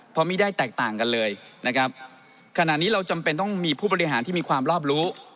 เพราะไม่ได้แตกต่างกันเลยนะครับขณะนี้เราจำเป็นต้องมีผู้บริหารที่มีความรอบรู้